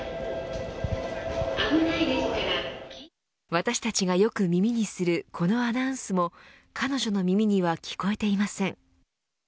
私たちがよく耳にするこのアナウンスも彼女の耳には聞こえていません。